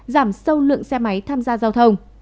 giảm sâu lượng xe máy tham gia giao thông